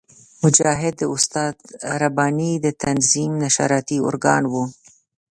مجاهد د استاد رباني د تنظیم نشراتي ارګان وو.